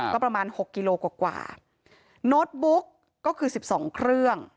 ก็ประมาณหกกิโลกว่าโน้ตบุ๊กก็คือสิบสองเครื่อง